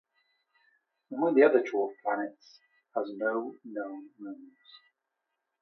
Among the other dwarf planets, has no known moons.